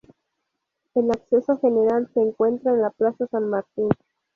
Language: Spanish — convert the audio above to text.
El acceso general se encuentra en la Plaza San Martín.